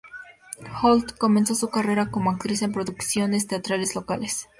Holt comenzó su carrera como actriz en producciones teatrales locales.